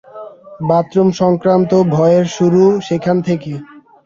বাথরুম-সংক্রান্ত ভয়ের শুরু সেখান থেকে।